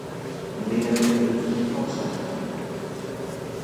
Mehr Mittel für die Forschung.